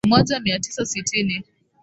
katika miaka ya elfu moja mia tisa sitini